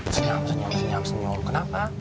senyum senyum kenapa